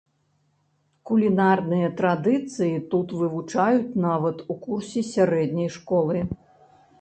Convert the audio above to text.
Кулінарныя традыцыі тут вывучаюць нават у курсе сярэдняй школы.